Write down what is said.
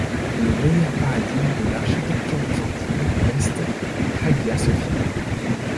Le meilleur paradigme de l'architecture byzantine reste Hagia Sophia.